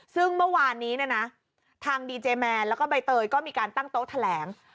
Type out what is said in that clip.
ซึ่งเมื่อวานนี้เนี่ยนะทางดีเจแมนแล้วก็ใบเตยก็มีการตั้งโต๊ะแถลง